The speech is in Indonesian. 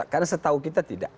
karena setau kita tidak